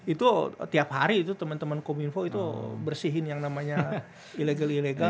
itu tiap hari itu teman teman kominfo itu bersihin yang namanya ilegal ilegal